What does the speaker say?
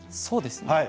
そうですね。